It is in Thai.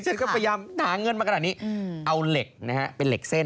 ฉันก็พยายามหาเงินมาขนาดนี้เอาเหล็กนะฮะเป็นเหล็กเส้น